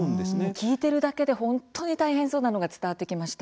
聞いているだけで本当に大変そうなのが伝わってきました。